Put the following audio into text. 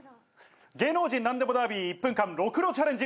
芸能人なんでもダービー１分間ろくろチャレンジ。